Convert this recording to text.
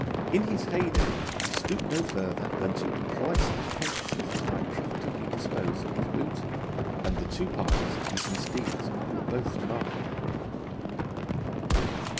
In his heyday he stooped no further than to employ such fences as might profitably dispose of his booty, and the two partners of his misdeeds were both remarkable.